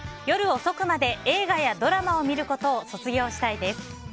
夜遅くまで映画やドラマを見ることを卒業したいです。